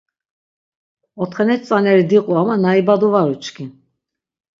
Otxeneç tzaneri diqu ama na ibadu var uçkin.